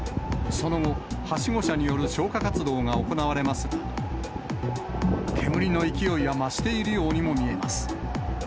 その後、はしご車による消火活動が行われますが、煙の勢いは増しているようにも見えます。